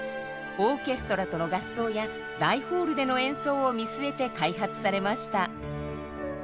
オーケストラとの合奏や大ホールでの演奏を見据えて開発されました。